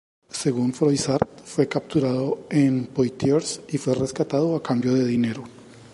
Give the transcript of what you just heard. Según Froissart fue capturado en Poitiers y fue rescatado a cambio de dinero.